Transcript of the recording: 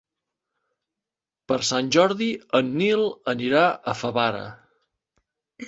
Per Sant Jordi en Nil anirà a Favara.